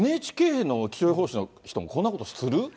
ＮＨＫの気象予報士の人もこんなことする？